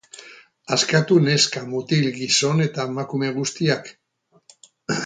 Askatu neska, mutil, gizon eta emakume guztiak?